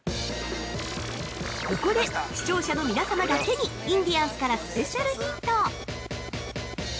◆ここで、視聴者の皆様だけにインディアンスからスペシャルヒント！